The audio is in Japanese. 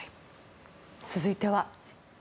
続いては。